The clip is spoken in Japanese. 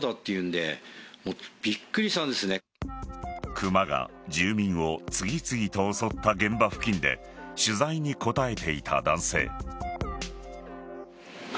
クマが住民を次々と襲った現場付近で取材に答えていた男性。